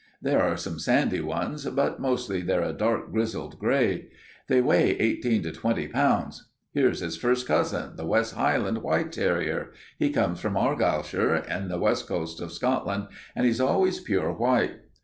There are some sandy ones, but mostly they're a dark grizzled gray. They weigh eighteen to twenty pounds. Here's his first cousin, the West Highland white terrier. He comes from Argyllshire, on the west coast of Scotland, and he's always pure white.